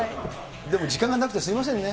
でも時間がなくてすみませんね。